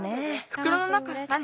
ふくろの中なに？